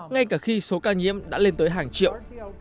ngay cả khi số ca nhiễm đã lên tới hàng triệu